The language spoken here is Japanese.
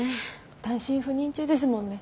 単身赴任中ですもんね。